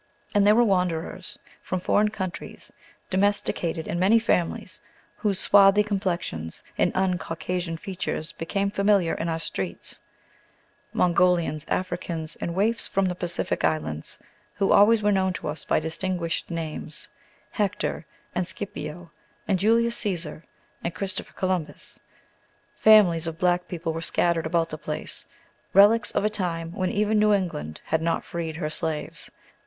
And there were wanderers from foreign countries domesticated in many families, whose swarthy complexions and un Caucasian features became familiar in our streets, Mongolians, Africans, and waifs from the Pacific islands, who always were known to us by distinguished names, Hector and Scipio, and Julius Caesar and Christopher Columbus. Families of black people were scattered about the place, relics of a time when even New England had not freed her slaves.